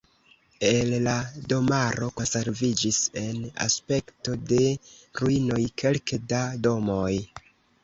El la domaro konserviĝis en aspekto de ruinoj kelke da domoj.